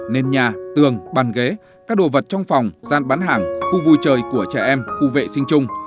nền nhà tường bàn ghế các đồ vật trong phòng gian bán hàng khu vui trời của trẻ em khu vệ sinh chung